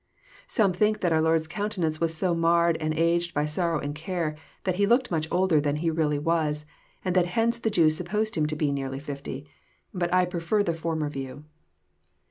Some think that our Lord's countenance was so marred and aged by sorrow and care, that He looked much older than He really was, and that hence the Jews supposed Him to be nearly fifty. But I prefer the former view.